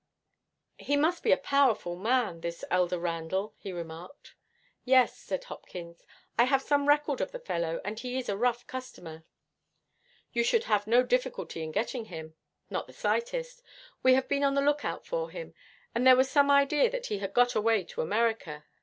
'He must be a powerful man, this elder Randall,' he remarked. 'Yes,' said Hopkins. 'I have some record of the fellow, and he is a rough customer.' 'You should have no difficulty in getting him.' 'Not the slightest. We have been on the look out for him, and there was some idea that he had got away to America.